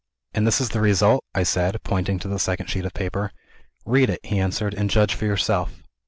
"And this is the result?" I said, pointing to the second sheet of paper. "Read it," he answered; "and judge for yourself."